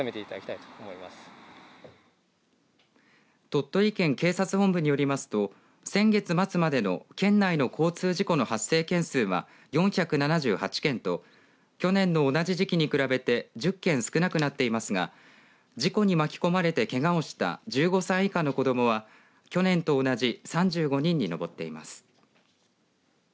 鳥取県警察本部によりますと先月末までの県内の交通事故の発生件数は４７８件と去年の同じ時期に比べて１０件少なくなっていますが事故に巻き込まれてけがをした１５歳以下の子どもは去年と同じ３５人に上っています。